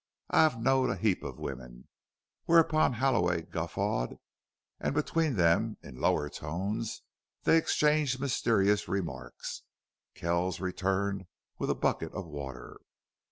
I've knowed a heap of wimmen." Whereupon Halloway guffawed, and between them, in lower tones, they exchanged mysterious remarks. Kells returned with a bucket of water.